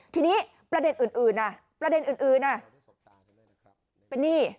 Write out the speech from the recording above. ทีนี้ประเด็นอื่นเป็นนี่